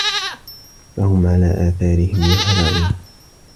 فَهُم عَلى آثارِهِم يُهرَعونَ